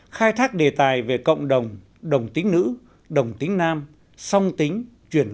khai thác đề tài về cộng đồng đồng tính nữ đồng tính nam song tính truyền giới